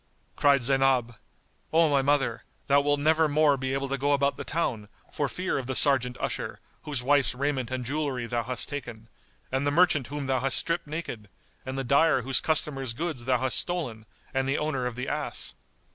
Cried Zaynab, "O my mother, thou wilt never more be able to go about the town, for fear of the Serjeant usher, whose wife's raiment and jewellery thou hast taken, and the merchant whom thou hast stripped naked, and the dyer whose customers' goods thou hast stolen and the owner of the ass."